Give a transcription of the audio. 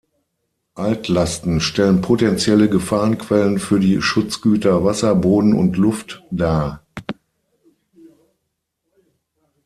Altlasten stellen potenzielle Gefahrenquellen für die Schutzgüter Wasser, Boden und Luft dar.